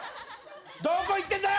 どこ行ってんだよ？